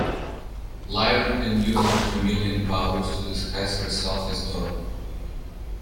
Llyra then used her chameleon powers to disguise herself as Dorma.